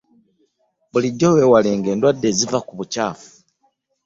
Bulijjo weewalenga endwadde eziva ku bukyafu.